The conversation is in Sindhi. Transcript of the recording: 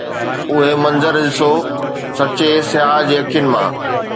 اهي منظر ڏسو هڪ سچي سياح جي اکين مان